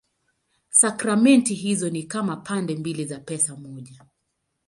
Sakramenti hizo ni kama pande mbili za pesa moja.